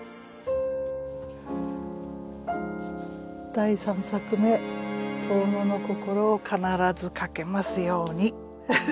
「第三作め遠野の心を必ず書けますようにちさこ」。